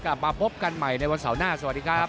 กลับมาพบกันใหม่ในวันเสาร์หน้าสวัสดีครับ